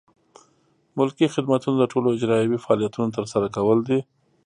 ملکي خدمتونه د ټولو اجرایوي فعالیتونو ترسره کول دي.